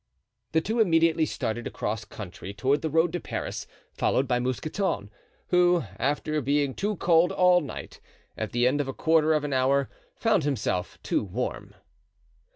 The two immediately started across country toward the road to Paris, followed by Mousqueton, who, after being too cold all night, at the end of a quarter of an hour found himself too warm.